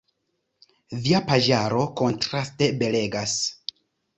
Via paĝaro, kontraste, belegas.